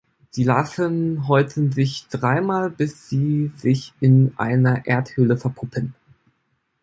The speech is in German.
Die Larven häuten sich dreimal, bis sie sich in einer Erdhöhle verpuppen.